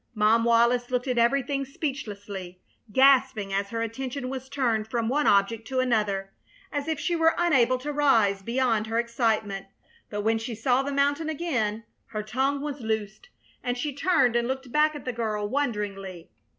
Mom Wallis looked at everything speechlessly, gasping as her attention was turned from one object to another, as if she were unable to rise beyond her excitement; but when she saw the mountain again her tongue was loosed, and she turned and looked back at the girl wonderingly.